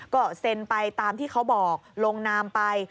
ก็เซ็นไปตามที่เขาบอกลงนามไป